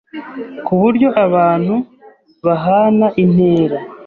ku buryo abantu bahana intera,